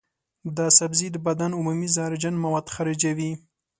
دا سبزی د بدن عمومي زهرجن مواد خارجوي.